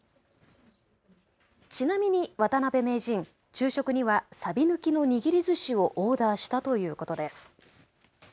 ちなみに渡辺名人、昼食にはさび抜きの握りずしをオーダーしたということです。